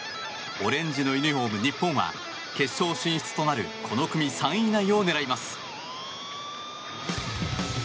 オレンジのユニホーム、日本は決勝進出となるこの組３位以内を狙います。